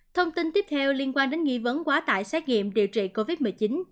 thông tin tiếp theo liên quan đến nghi vấn quá tải xét nghiệm điều trị covid một mươi chín